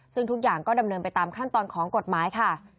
ซึ่งทุกอย่างก็ดำเนินไปตามขั้นตอนของกฎหมายค่ะ